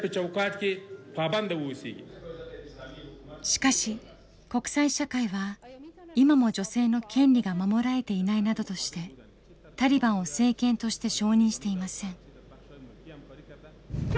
しかし国際社会は今も女性の権利が守られていないなどとしてタリバンを政権として承認していません。